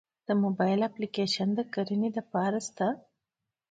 د موبایل اپلیکیشن د کرنې لپاره شته؟